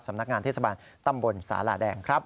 สำนักงานเทศบาลตำบลสาหร่าแดงครับ